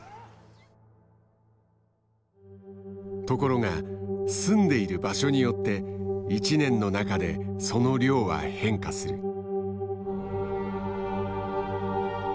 ところが住んでいる場所によって１年の中でその量は変化する。